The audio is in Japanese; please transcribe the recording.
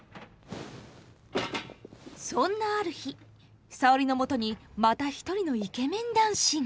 そんなある日沙織のもとにまた一人のイケメン男子が。